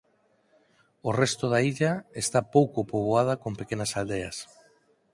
O resto da illa está pouco poboada con pequenas aldeas.